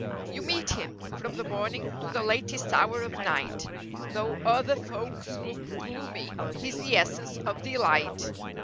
You meet him, from the morning, to the latest hour of night, Though other folks look gloomy he's the essence of delight.